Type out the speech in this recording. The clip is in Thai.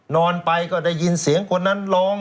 นอนไปก็ได้ยินเสียงคนนั้นร้อง